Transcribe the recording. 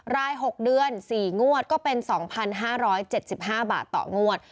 ราย๖เดือน๔งวดก็เป็น๒๕๗๕บาทต่องวด